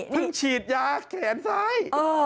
พึ่งฉีดยาแขนซ้าย